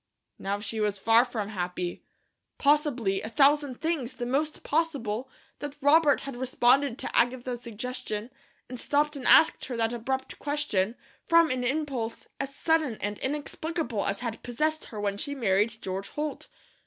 Now she was far from happy. Possibly a thousand things, the most possible, that Robert had responded to Agatha's suggestion, and stopped and asked her that abrupt question, from an impulse as sudden and inexplicable as had possessed her when she married George Holt.